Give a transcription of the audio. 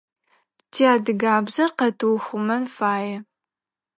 Ти адыгабзэр къэтыухъумэн фае